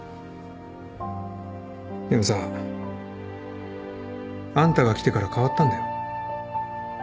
でもさあんたが来てから変わったんだよ。